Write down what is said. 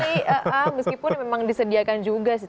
harus beli meskipun memang disediakan juga sih